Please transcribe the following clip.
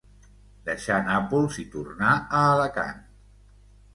Deixar Nàpols i tornar a Alacant.